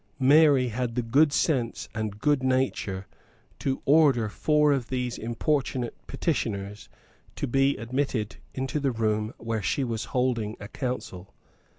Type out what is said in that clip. Mary had the good sense and good nature to order four of those importunate petitioners to be admitted into the room where she was holding a Council.